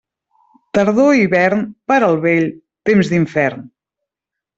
Tardor i hivern, per al vell, temps d'infern.